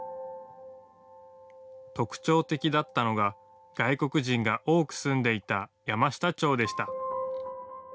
特徴的だったのが外国人が多く住んでいた山下町でした。